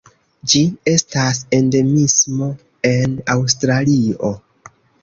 Ĝi estas endemismo en Aŭstralio.